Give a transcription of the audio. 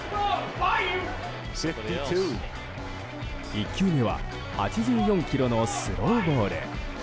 １球目は８４キロのスローボール。